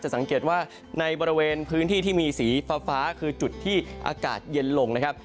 สังเกตว่าในบริเวณพื้นที่ที่มีสีฟ้าคือจุดที่อากาศเย็นลงนะครับ